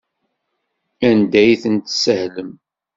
Anda ay ten-tessahlem?